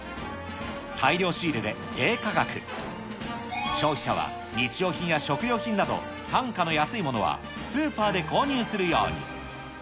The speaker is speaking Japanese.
大量仕入れで低価格、消費者は日用品や食料品など、単価の安いものはスーパーで購入するように。